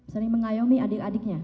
sering mengayomi adik adiknya